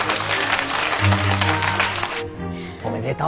おめでとう。